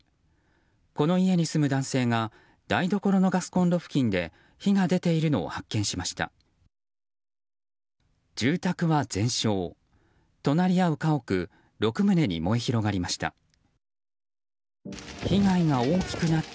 この家に住む男性が台所のガスコンロ付近で火が出ているのを発見しました。